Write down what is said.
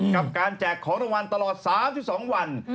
กับการแจกของธวัล๓๒วันน